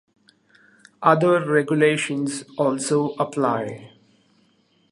Other regulations also apply.